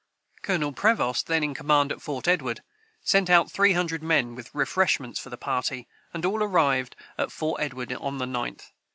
Colonel Prevost, then in command at Fort Edward, sent out three hundred men, with refreshments for the party, and all arrived at Fort Edward on the 9th.